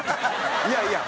いやいや。